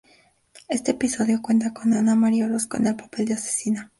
Este episodio cuenta con Ana María Orozco, en el papel de asesina.